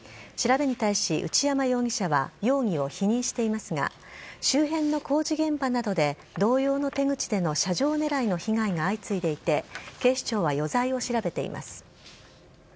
調べに対し、内山容疑者は容疑を否認していますが、周辺の工事現場などで同様の手口での車上狙いの被害が相次いでいて、警視庁は余罪を調べています。